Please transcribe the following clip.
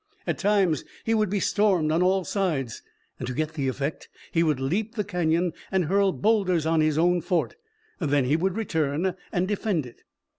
At times he would be stormed on all sides. To get the effect he would leap the canyon and hurl boulders on his own fort. Then he would return and defend it.